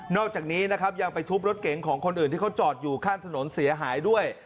อกจากนี้นะครับยังไปทุบรถเก๋งของคนอื่นที่เขาจอดอยู่ข้างถนนเสียหายด้วย